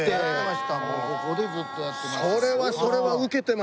ここでずっとやってました。